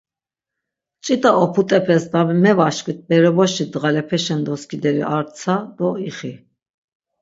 Ç̌it̆a oput̆epes na mevaşkvit berobaşi dğalepeşen doskideri ar tsa do ixi.